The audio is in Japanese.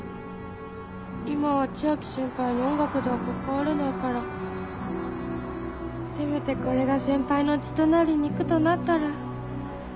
今は千秋先輩に音楽ではかかわれないからせめてこれが先輩の血となり肉となったら。